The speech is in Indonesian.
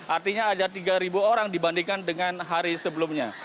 artinya ada tiga orang dibandingkan dengan hari sebelumnya